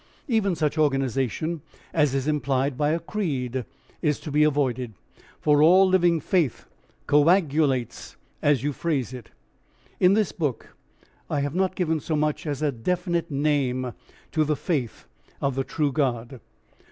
Even such organisation as is implied by a creed is to be avoided, for all living faith coagulates as you phrase it. In this book I have not given so much as a definite name to the faith of the true God.